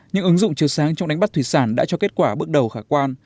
những ứng dụng chiều sáng trong đánh bắt thủy sản đã cho kết quả bước đầu khả quan